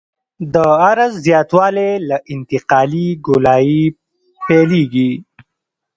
د عرض زیاتوالی له انتقالي ګولایي پیلیږي